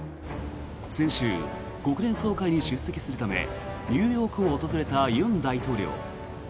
先週、国連総会に出席するためニューヨークを訪れた尹大統領。